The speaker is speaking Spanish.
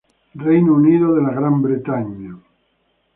Reino Unido.